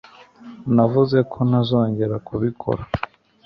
Navuze ko ntazongera kubikora.